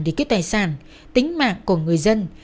để kết tài sản tính mạng của người dân